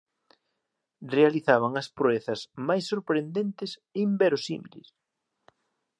realizaban as proezas máis sorprendentes e inverosímiles.